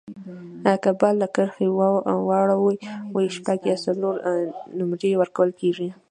که بال له کرښي واوړي، شپږ یا څلور نومرې ورکول کیږي.